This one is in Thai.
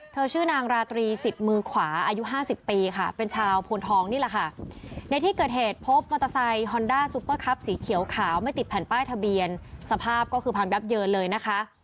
ชื่อนางราตรีสิทธิ์มือขวาอายุ๕๐ปีค่ะเป็นชาวโพนทองนี่แหละค่ะในที่เกิดเหตุพบมอเตอร์ไซค์ฮอนด้าซุปเปอร์คับสีเขียวขาวไม่ติดแผ่นป้ายทะเบียนสภาพก็คือพังยับเยินเลยนะคะ